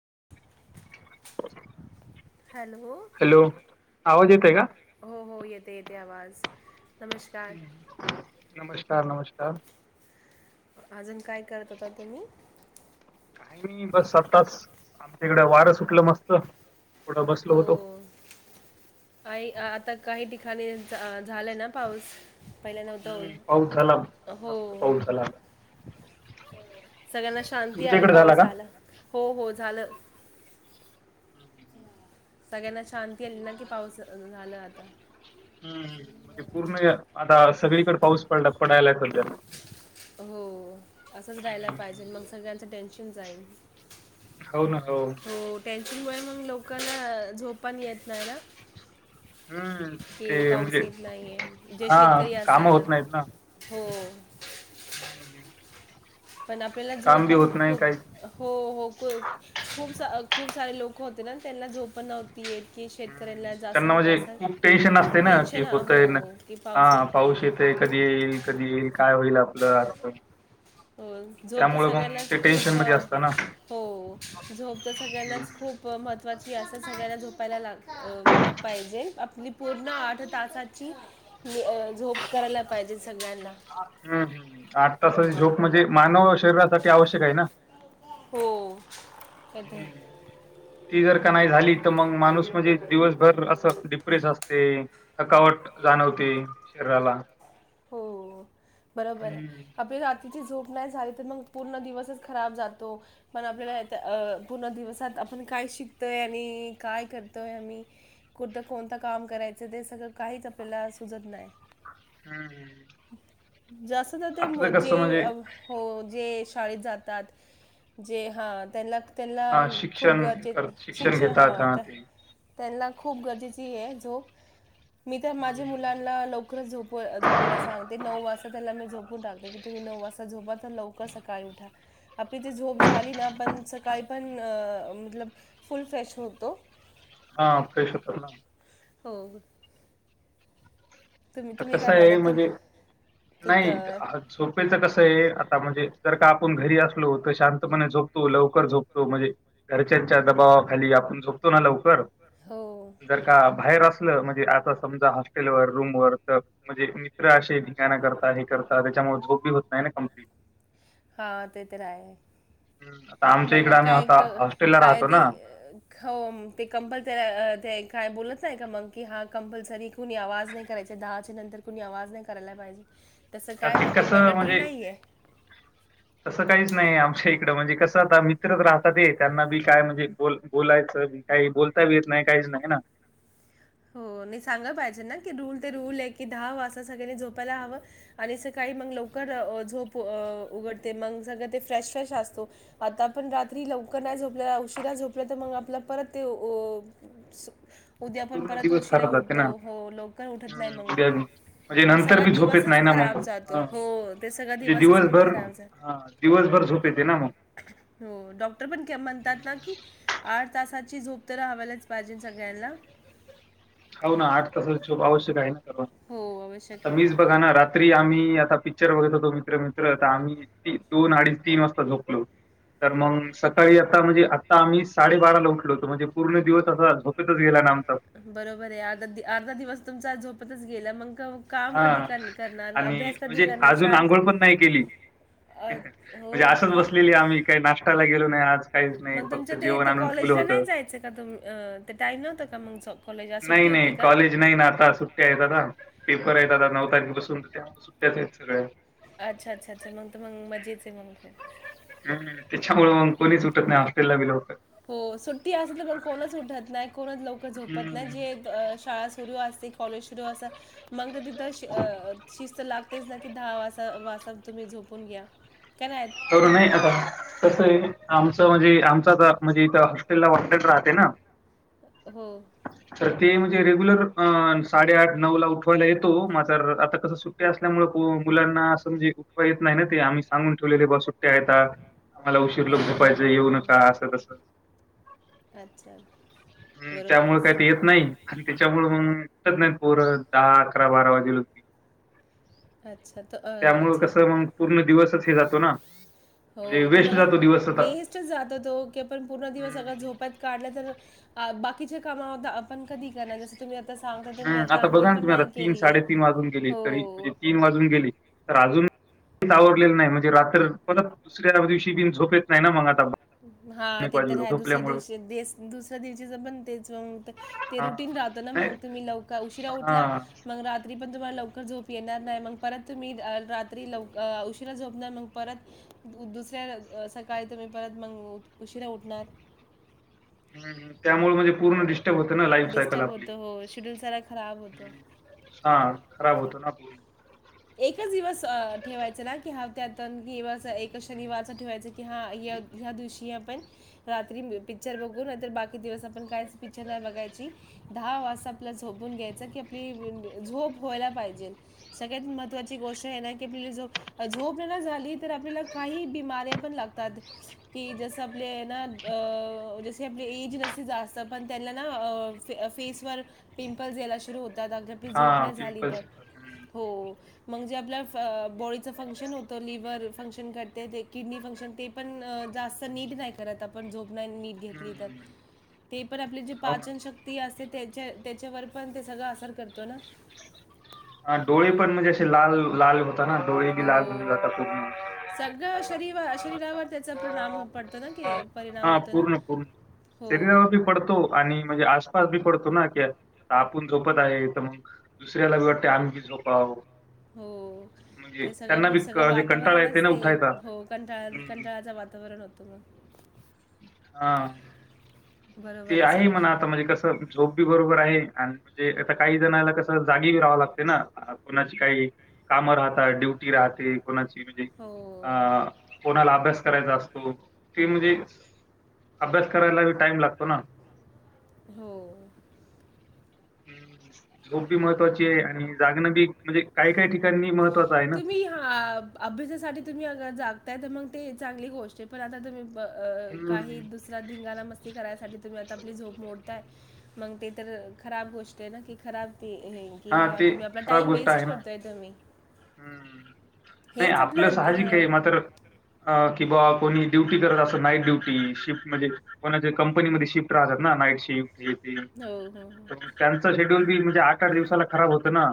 [unintelligible] Hello hello आवाज हो येतय न का? हो हो येते येते. ते आवाज. नमस्कार नमस्कार नमस्कार. अजून काय करत होता तुम्ही? काही नाही बस आताच आमच्या इकडें वारं सुटलं मस्त थोड बसलो हो होतो. आ आता काही ठिकाणी झालंय ना पाऊस. पहिला नव्हता हम्म. हो पाऊस झाला मस्त हो पाऊस झाला. सगळ्यांना शांती तुमच्या आली इकडे झाला पाऊस का? आला. हो हो झालं. हम्म हम्म हम्म. सगळ्यांना शांती आली ना कि पाऊस झाला आता. हम्म म्हणजे पूर्ण आता सगळीकडे पाऊस पडला पडायला सद्या. हो असंच राहायला पाहिजे मग सगळ्यांच टेन्शन जाईन. हो ना हो. य मग लोकला झोपान येत नाही ना? हम्म ते पाऊस म्हणजे येत नाहीे जे हा शेतकरी काम असतात. हो. हम्म. पण आपल्याला झोप पण खूप नाही हो हो खू खूपसा खूप सारे लोक होते ना त्यांना झोपण नव्ह ती येत की हम्म, शेतकऱ्यांना जास्त त्यांना तर म्हणजे जास्त खूप टेन्शन असते ना, टेन्शन, हो की पाऊस येत नाही. येतय कधी येईल, कधी येईल काय होईल आपलं असं. हो. झोप तर त्यामुळं मग ते सगळ्यांनाच खूप टेन्शनमध्ये असतं ना. हो. झोप तर हं, सगळ्यांनाच खू खूप महत्त्वाची असं सगळ्यांना झोपायला लाग पाहिजे आपली पूर्ण आठ तासाची नी झोप करायला पाहिजे. सगळ्यांना हम्म. आठ तासाची झोप म्हणजे मानव शरीरासाठी आवश्यक आहे ना. हो येतंय. हम्म. ती जर का नाही झाली तर मग माणूस म्हणजे घेऊ दिवसभर असं डिप्रेस असते. थकावट जाणवती शरीराला. हो बरोबर आहे. हं, आपल्या जाती ची झोप नाही झाली, तर मग पूर्ण दिवसच खराब जातो पण आपल्याला पूर्ण दिवसात आपण काय शिकतोय आणि काय करतोय आम्ही कुठ कोणत काम करायचं ते सगळं काय काहीच आपल्याला सुचत नाही. हम्म हम्म. जास्त तर ते कसं जे म्हणजे हो जे. शाळेत जातात जे हा त्यांना. हां, त्यांना खूप शिक्षण गरजे कर शिक्षण घेतात हवं हां तर ते. त्यांना. खूप गरजेची आहे झोप मी तर माझ्या मुलांना लवकर झोप झोपयला नऊ वाजता त्याला मी झोपऊन टाकते तूम्ही नऊ वाजता झोपा तर लवकर सकाळी उठा आपली जी झोप झा झाली ना पण सकाळी पण म फुल फ्रेश होतो. हा प्रेश होत हो तुम्ही आता तुम्ही काय कसं म्हणता आहे म्हणजे तुम की त- नाही झोपेच झोपेचं कसंये आता म्हणजे जर का आपण घरी असलो तर शांतपणे झोपतो लवकर झोपतो म्हणजे घरच्याच्या दबावाखाली आप पण झोपतो ना लवकर हो जर का भायेर असलं म्हणजे असं समजा हॉस्टेलवर रूम वर तर म्हणजे मी अशे धिंगाणा करता हे करता त्याच्यामुळे झोप बी होत नाही ना कमप्लीट हा तेतर आहे ताम मंग काय क काय ते हो ते कंपल त्या ते काय बोलत न्हाय का मंग की हा कंपल्सरी कुणी आवाज नाही करायचा दहाच्या नंतर कुणी आवाज नाही करायला पाहिजे तसं तर काय ते होते कसं मॉनडेटरी म्हणजे नाहीये तसं काहीच नाही आमच्या इकडं म्हणजे कसं आता मित्रच राहतात ते त्यांना बी काय म्हणजे बोल बोलायचं काही बोलता बी येत नाही काहीच नाही ना ह [inaudible] हो नही सांगा पाहिजे ना की रूल ते रूल एकी दहा वास्ता सगळ्यांनी झोपायला हवं आणि सका नै मंग लौकर झोप उघड ते मंग सगळ ते फ्रेश्रेश असतो आता आपण रात्री लवकर नाही झोपल्या उशिरा झोपल्या तर मंग आपला परत ते ओस उद्या आपण पूर्ण परत दिवस उशीरा खराब जाते उठतो ना. हो लोकर उठत नाही हम्म मंग उद्या बी आपण म्हणजे मंग नंतर सगळा बी झोप येत नाही दिवसच ना मग खराब जातो. हा हो, ते सगळा म्हणजे दिवसच मग दिवसभर खराब जातो. ह दिवसभर झोप येते ना म हो डॉक्टर पण के म्हणतात ना की आठ तासाची झोप तर हवालाच पाहिजे सगळ्यांनला हो ना आठ तासाची झोप आवश्यक आहे ना हो, आवश्यक आता आहे. मीच बघा ना रात्री आम्ही आता पिक्चर बघत होतो मित्र मित्र तर आम्ही ती दोन अड अडीच तीन वाजता झोपलो तर मंग सकाळी आता म्हणजे आता आम्ही साडेबाराला उठलोतो म्हणजे पूर्ण दिवस आता झोपेतच गेला नामत बरोबर आहे अर्धा दि अर्धा दिवस तुमचा झोपतच गेला मंग हा आणि कधी म्हंजे करणार? अजून शाळेत आंघोळ पण नाही केली अ, म्हंजे हो असंच का? बसलेली आम्ही काही नाष्टाला गेलो नाही आज काही मग तुमच्या ते ते कॉलेजला नाही जायचं का तुम अ ते टाईम नव्हतं का मंग नाही नाही कॉलेज नाही ना आता सुट्ट्यायेत आता आहेत आता नऊ तारखेपासून सुट्ट्याच हेत सगळ्या अच्छा अच्छा अच्छा मंग त मंग मजेच आहे म्हणून ख हम्म त्याच्यामुळे मग कोणीच सुटत नाही हॉस्टेलला बी लवकर हो सुट्टी असे तर कोणच उठत नाही कोणच लवक झोपत नाही जे शाळा सुरू असते कॉलेजरू अस मंगतर तिथ शिस्त लाग तेच ना की दहा वा वास्तता तुम्ही झोपून घ्या काय नाही? कर नाही आता तसंये आमच म्हणजे आमचा आता म्हणजे इथ हॉस्टेलला वाटल राहते ना हो तर ते म्हणजे रेग्युलर साडेआठ नऊ ला उठवायला येतो मात्र आता कस सुट्टी असल्यामुळे पोलीस मुलांना समजे उठवा येत नाही ना ते आम्ही सांगून ठेवलेले बस उटे आहेतता आम्हाला हो उशीर हो झोपायचं हो येऊ हो हो नका असं तस अच्छा हम्म बरोबर त्यामुळे आहेस काही ते येत नाही आणि त्याच्यामुळे मग तर नाही पोर दहा अकरा बारा वाजेल होती अच्छा तर अ, त्यामुळ अच्छा कसं मंग पूर्ण दिवसच हे जात हो तुम्हाला दिवस आता. वेस्टच जात तो की आपण पण पूर्ण दिवस स हं. झोप्यात काढला बाकीचे काम आपण कधी करणार जस तुम्ही सांगता, तर मी हम्म आता अंघोळ बघा ना पण तुम्ही आता नाही तीन केली आहे. साडेतीन वाजून गेले तरी हो. तीन वाजून गेली तर आजुन आवरलेलं नाही म्हणजे रात्र दुसऱ्या दिवशी बि झोप येत नाही ना मंग आत हा ते तर ह दुसऱ्या दिवशी दुसऱ्या दिवशीच पण तेच ते हां. रुटीन ो ना नाही मग तुम्ही लव उशीरा उ हां. मग र पण तुम्हाला लवकर झोप येणार नाही मग परत तुम्ही रात्री लव उशीिरा झोप नाही मग परत दुसऱ्या सकाळी तर मी परत मग उशीला उठणार ह त्यामुळे म्हणजे पूर्ण होतं ना लाईफ सायकल डिस्टर्ब आपली. होत हो शेड्यूल सार खराब होत हा खराब होतो ना एकच दिवस ठेवायचं ना कि ह त्यात कि एक शनिवारच ठेवायच की हा ह्या दिवशी आपण रात्री पिक्चर बघू नर बाकी दिवस आपण कायच पिक्चर नाही बघायची दहा वा आप घ्याय क आप झ वयला पाहिजे सगळ्यात महत्वाची गोष्ट आहे ना की आप झोप झोप ना झाली तर आपल्याला काही बिमऱ्या पण लागतात जस आप ज आपज न जास्त पण त्यां फे फेसवर पिंपल्स यायला सुरू होतात अद्यापि झोप हां. नाही झाली तर पिंपल्स हं. हो मग जे आपल्या बॉडीचं फंक्शन होतं लिव्हर फंक्शन करते ते किडनी फंक्शन ते पण जात निी नाही करत आपणो नीट घेतली तर हम्म ते पण आपली ज हो ना. पाचन शक्ती असते त्याच्या त्याच्यावर पण ते सगळं आसर करतो ना हा डोळे पण म्हणजे असे लाल लाल होता ना डोळे बी लाल होऊन हो. जात खूप सगळं शरी शरीरावर त्याचा परिणाम पडतो ना की परिणाम हा होतो ना पूर्ण पूर्ण हो. शरीरावर बी पडतो आणि म्हणजे आसपास बी पडतो ना कि आता आपण झोपत आहे तर मग दुसऱ्याला भी वाटते आम्हीी झोपाव हो म्हणजे ते त्यांना सगळं बी क- सगळं म्हणजे कंटाळा येते वातावरणच ना ते उठायचा. हो कंटाळ हम्म. कंटाळाच वातावरण होत तर हा बरोबर ते आहे म्हणा सग आता म्हणजे कसं झोप ब म्हणज आ काही ज क लागणा काही राहता ड्यूटी राहते को म्हणजे हो. अ कोणाला अभ्यास करायचा असतो त म्हणजे अभ्यास करायला बी टाइम लागतो ना हो ह् झोप बी महत्त्वाची आहे आणि जागणं बी म्हणजे काही काही ठिकाणी महत्वाचं आहे ना. तुम्ही हा अभ्यासासाठी तुम्ही अ जा ता तर मग ते चांगली गोष्ट आहे पण आता तुम्ही काही हं. दुसऱ्या धिंगाणा मस्ती करायसाठी तुम्ही आ आपली झोप मोडताय मग ते तर खराब गोष्ट आहे ना की खराब की ह हां, ते आपला खराब टाइम गोष्ट वेस्ट ना करताय तुम्ही. हम्म नाही हेच आपला आपलं साहजिक आहे हां. मात्र अ किंवा कोणी ड्युटी करत असं नाईट ड्युटी शिफ्ट म्हणजे कोणाच्या कंपनीमध्ये शिफ्ट राहतात नाईट शिफ्ट ते ते हो, हो, हो. त्यांच शेड्यूल बी म्हणजे आकार दिवसाला खराब होत ना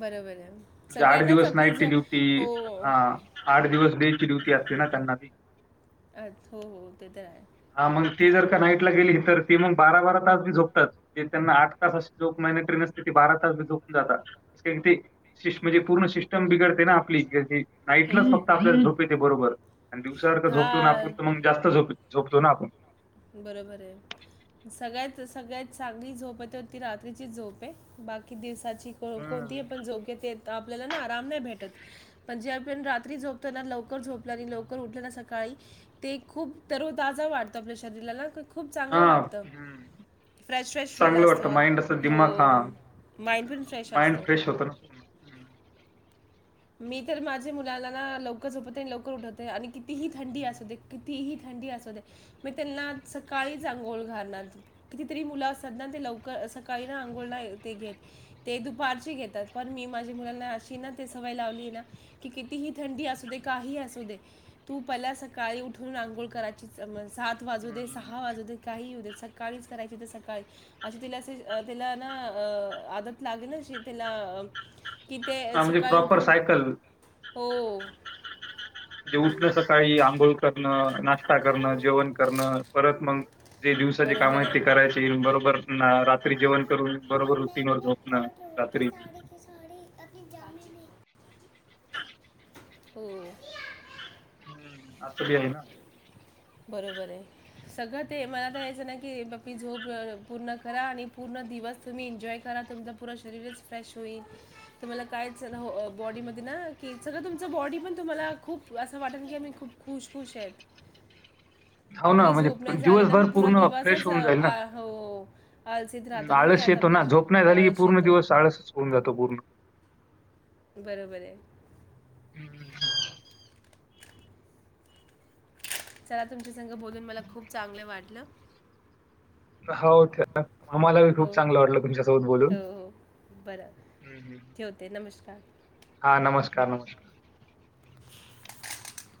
बरोबर आहे. म्हे आठ सगळ्यांनाच दिवस आपली नाईटची झो ड्युटी हो. हा आठ दिवस डेची ड्युटी अे ना त्यांना त अच् हो हो ते तर आहे गे ते म बा बारा तास त्यांना आ त ोहि टेन असते त बारा तास जोपून जात म्हणजे पूर्ण सिस्टम बिगडते ना आपली हो. नाईटच फक्त आपल्याला झोप येते बरोबर आणि दिवसावर झोपून आपून तर हां. मग जास्त झोप झोपतो ना आपण बरोबर आहे सगळ्यात सगळ्यात चांगली झोप आहे तती रात्रीची झोप आहे बाकी दिवसाची हं. कोणती पण झोपेत आपल्याला ना आराम नाही भेटत पंजाबिन रात्री झोपताना लवकर झोप आणि लवकर उठल्या ना सकाळी ते खूप ताजा वाढतो आपल्या शरीराला खूप हा चांगलं वाटतं. हम् फ्रेश फ्रेश फील चांगलं असतो. वाटतं माइंड अस दिमाख हो, हा माइंड पण फ्रेश असतो हं, मी तर माझ्या मुलांना लवकर झोपवते आणि लवकर उठवते आणि कितीही थंडी अस होते कितीही थं म त्यांना सकाळी चा आंघोळ घालणार कितीतरी मुलं असतात ना ते लव सकाळी ना आंघोळ नाही ते घेत ते दुपारचि घेतात पण मी माझ्या मुलांना अशी ना सवय लावली आहे ना किती ही थंडी असुदे काही असुदे तू पहिला सकाळी उठून अंघोळ करा सात वाजूदे हं. सहा वाजूदे काही ही होऊदे सकाळीच करायची तर सकाळी अशी तिला अस तीला ना अ आदत लागेले ना त्याला कि ते हां, म्हणजे सकाळी प्रॉपर उठून सायकल हो म्हणजे उठण सकाळी आंघोळ करणं नाश् ता करण जेवण करण परत मग जे दिवसाचे काम बरोबर आहे आहेत ते करायचे बरोबर ना रात्री जेवण करून बरोबर रूटीनवर झोपन रात्री हो हम्म आताली आहे ना बरोबर आहे सगळं ते मला तर याचं ना की बबी झोप पूर्ण करा आणि पूर्ण दिवस तुम्ही एन्जॉय करा तुमच शरीरच फ्रेश होईल तुम्हाला काय बॉडीमध्ये सगळं तुमच बॉडी पण तुम्हाला खूप असं वाटेल की आमही खूप खुश खुश आहेत हो ना, आपली म्हणजे झोप नाही झाली ना म दिवसभर पुरा पूर्ण फ्रेश दिवसच होऊन जाईल ना. हो आळसीत राहतो ना की आळस आता येतो ना आपला झोप नाही अ, झाली की आळस पूर्ण येतो दिवस आळसच होऊन जातो पूर्ण बरोबर आहे हम्म चला तुमचे संघ बोलून मला खूप चांगले वाटलं हो आम्हाला हो खूप हो चांगलं वाटलं तुमच्यासोबत बोलून हो हो बरं ठेवते नमस्कार हा नमस्कार नमस्कार [inaudible]